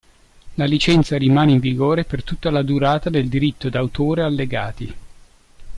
La licenza rimane in vigore per tutta la durata del diritto d'autore allegati.